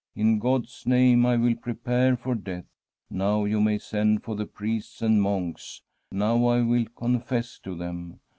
In God's name I will prepare for death. Now you may send for the priests and monks ; now I will confess to them.